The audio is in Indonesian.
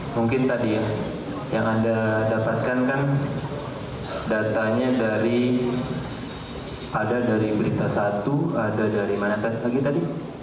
mungkin tadi ya yang anda dapatkan kan datanya dari ada dari berita satu ada dari mana tadi